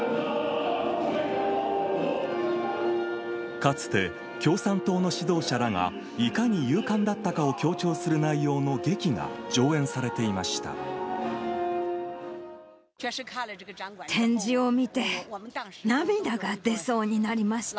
かつて、共産党の指導者らがいかに勇敢だったかを強調する内容の劇が上演されていました。